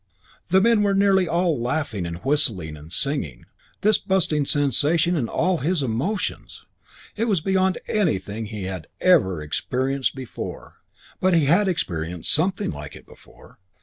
The men were nearly all laughing and whistling and singing.... This bursting sensation in all his emotions! It was beyond anything he had ever experienced before. But he had experienced something like it before.